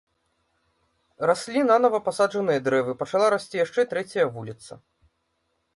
Раслі нанава пасаджаныя дрэвы, пачала расці яшчэ трэцяя вуліца.